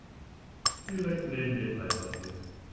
Direkt neben dem Altpapier.